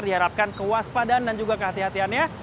diharapkan kewaspadaan dan juga kehatiannya